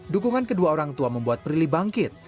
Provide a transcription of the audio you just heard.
dukungan kedua orang tua membuat prilly bangkit